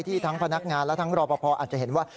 ทั้งพนักงานและทั้งรอปภอาจจะเห็นว่า